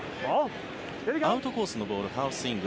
アウトコースのボールハーフスイング。